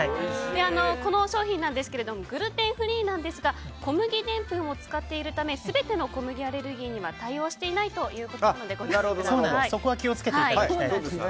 この商品ですがグルテンフリーなんですが小麦でんぷんを使っているため全ての小麦アレルギーには対応していないということなのでご注意ください。